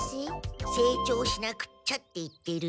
成長しなくっちゃって言ってるの。